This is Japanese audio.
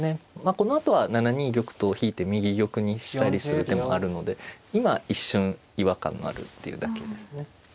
このあとは７二玉と引いて右玉にしたりする手もあるので今一瞬違和感のあるっていうだけですね。